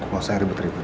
mau sayang ribet ribet